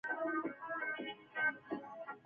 دوې شپې يې تېرولې او بيا بېرته راته.